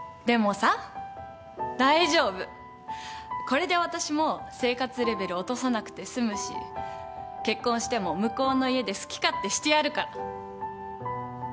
これで私も生活レベル落とさなくて済むし結婚しても向こうの家で好き勝手してやるから。